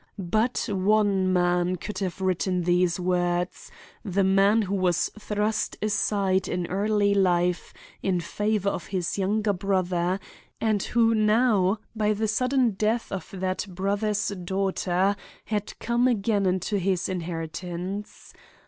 But one man could have written these words; the man who was thrust aside in early life in favor of his younger brother, and who now, by the sudden death of that brother's daughter, had come again into his inheritance.